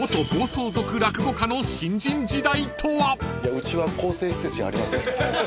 うちは更生施設じゃありません。